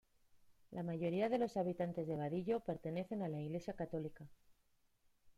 La mayoría de los habitantes de Badillo pertenecen a la Iglesia católica.